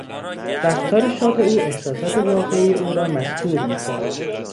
رفتار شاد او احساسات واقعی او را مستور میکرد.